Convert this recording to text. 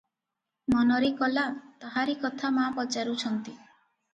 ମନରେ କଲା, ତାହାରି କଥା ମା ପଚାରୁଛନ୍ତି ।